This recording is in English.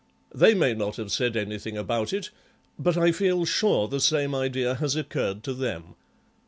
They may not have said anything about it, but I feel sure the same idea has occurred to them.